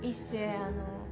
あの。